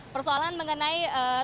persoalan mengenai ruang tunggu